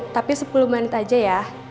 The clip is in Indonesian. tapi sepuluh menit aja ya